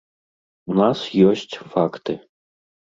У нас ёсць факты.